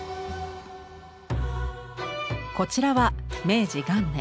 こちらは明治元年